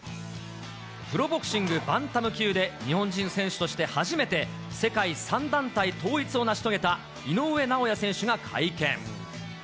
プロボクシングバンタム級で、日本人選手として初めて、世界３団体統一を成し遂げた井上尚弥選手が会見。